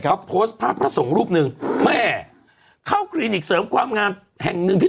ครับเขาส่งรูปหนึ่งเขากรีนิกสองความงามแห่งหนึ่ง